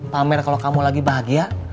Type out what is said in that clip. pamer kalau kamu lagi bahagia